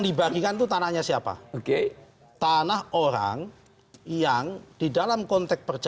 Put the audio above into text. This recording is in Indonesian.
dibagikan tutananya siapa oke tanah orang yang di dalam konteks percaya